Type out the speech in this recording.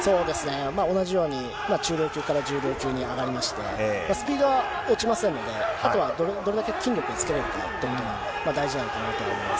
同じように、中量級から重量級に上がりまして、スピードは落ちませんので、あとはどれだけ筋力をつけれるかということが、大事なのかなと思います。